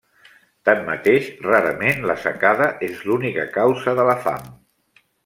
Tanmateix rarament la secada és l'única causa de la fam.